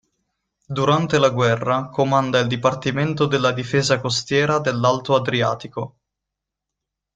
Durante la guerra comanda il dipartimento della difesa costiera dell'alto Adriatico.